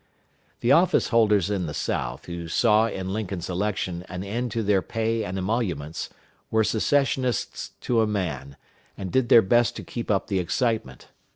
The office holders in the South, who saw in Lincoln's election an end to their pay and emoluments, were Secessionists to a man, and did their best to keep up the excitement.